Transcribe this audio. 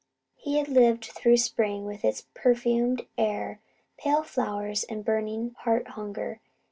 He had lived through spring with its perfumed air, pale flowers, and burning heart hunger.